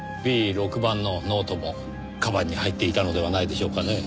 Ｂ６版のノートも鞄に入っていたのではないでしょうかねぇ。